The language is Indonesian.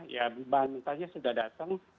ya bahan mentahnya sudah datang